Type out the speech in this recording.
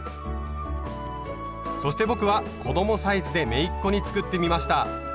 そして僕は子供サイズでめいっ子に作ってみました。